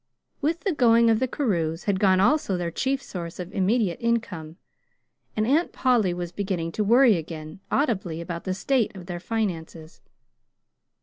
With the going of the Carews had gone also their chief source of immediate income, and Aunt Polly was beginning to worry again, audibly, about the state of their finances.